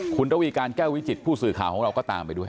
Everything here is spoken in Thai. คุณระวีการแก้ววิจิตผู้สื่อข่าวของเราก็ตามไปด้วย